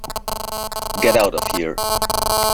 Get out of here.